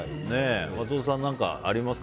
松尾さん、何かありますか。